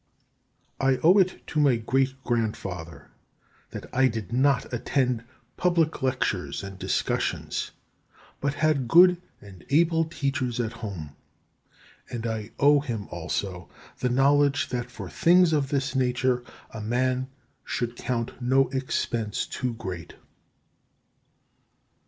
4. I owe it to my great grandfather that I did not attend public lectures and discussions, but had good and able teachers at home; and I owe him also the knowledge that for things of this nature a man should count no expense too great.